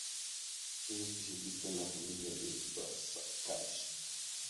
Es especialista en la familia de Brassicaceae.